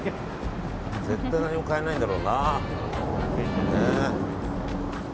絶対に何も買えないんだろうな。